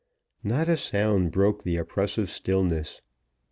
Not a sound broke the oppressive stillness.